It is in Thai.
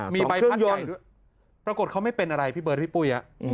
มีใบพัดย่อนปรากฏเขาไม่เป็นอะไรพี่เบิร์ดพี่ปุ้ย